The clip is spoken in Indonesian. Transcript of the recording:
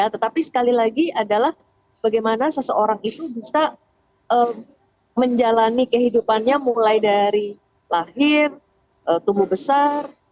tetapi sekali lagi adalah bagaimana seseorang itu bisa menjalani kehidupannya mulai dari lahir tumbuh besar